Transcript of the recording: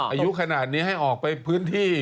อายุขนาดนี้ให้ออกไปพื้นที่